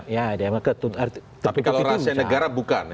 tapi kalau rahasia negara bukan ya